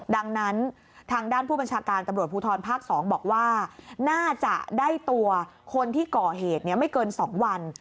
ดังนั้นทางด้านผู้บัญชาการตำรวจภูทรภาค๒บอกว่าน่าจะได้ตัวคนที่ก่อเหตุไม่เกิน๒วัน